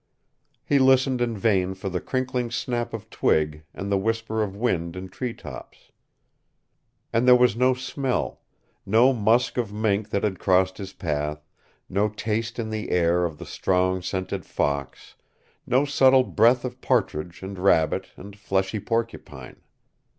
He listened in vain for the crinkling snap of twig, and the whisper of wind in treetops. And there was no smell no musk of mink that had crossed his path, no taste in the air of the strong scented fox, no subtle breath of partridge and rabbit and fleshy porcupine.